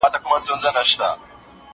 زه اجازه لرم چي کالي وپرېولم.